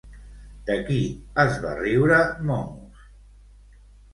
De qui es va riure Momos?